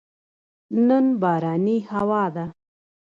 نن بارانې هوا ده